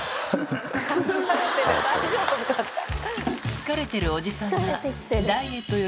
疲れてるおじさんはいいよ